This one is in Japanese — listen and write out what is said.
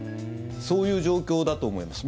そういう状況だと思います。